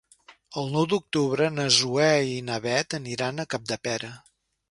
El nou d'octubre na Zoè i na Bet aniran a Capdepera.